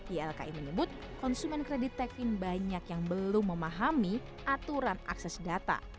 ylki menyebut konsumen kredit tekvin banyak yang belum memahami aturan akses data